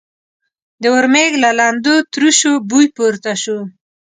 د ورمېږ له لندو تروشو بوی پورته شو.